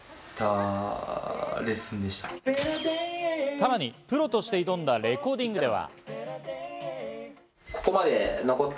さらにプロとして挑んだレコーディングでは。